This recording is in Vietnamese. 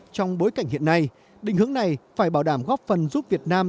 trong bối cảnh hiện nay định hướng này phải bảo đảm góp phần giúp việt nam